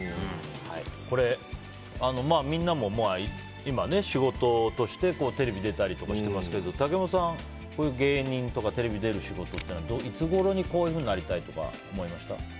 これ、みんなも今、仕事としてテレビ出たりとかしてますけど竹山さん、こういう芸人とかテレビに出る仕事っていうのはいつごろにこうなりたいとか思いました？